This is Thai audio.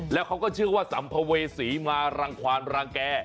แล้วเขาก็เชื่อว่าสัมภเวษีมารังความรังแก่